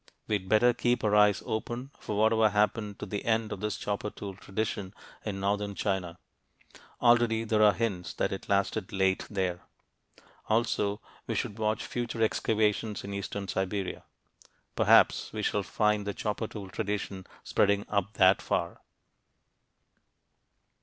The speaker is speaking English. We'd better keep our eyes open for whatever happened to the end of the chopper tool tradition in northern China; already there are hints that it lasted late there. Also we should watch future excavations in eastern Siberia. Perhaps we shall find the chopper tool tradition spreading up that far.